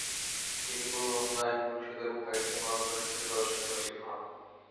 তিনি পূর্ববাংলা আইন পরিষদ এবং পাকিস্তান গণপরিষদের সদস্য নির্বাচিত হন।